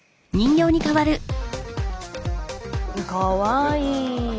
かわいい。